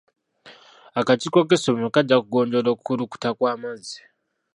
Akakiiko k'essomero kajja kugonjoola okukulukuta kw'amazzi.